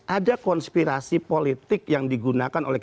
ada konspirasi politik yang digunakan oleh kekuatan negara